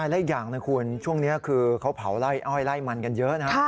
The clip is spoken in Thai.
และอีกอย่างนะคุณช่วงนี้คือเขาเผาไล่อ้อยไล่มันกันเยอะนะ